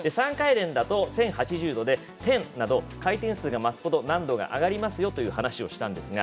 ３回転だと１０８０度でテンなど回転数が増すと難度が上がりますよという話をしました。